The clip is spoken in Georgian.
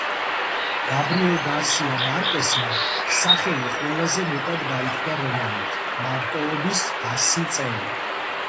გაბრიელ გარსია მარკესმა სახელი ყველაზე მეტად გაითქვა რომანით „მარტოობის ასი წელი“.